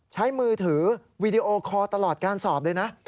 ใช้มือถือวีดีโอคอลตลอดการสอบเลยนะ